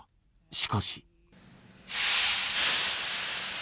しかし。